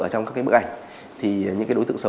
ở trong các cái bức ảnh thì những cái đối tượng xấu